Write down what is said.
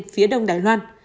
phía đông đài loan